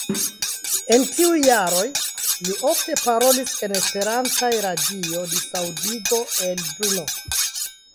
En tiuj jaroj li ofte parolis en esperantaj radio-disaŭdigo el Brno.